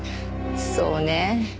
そうねえ。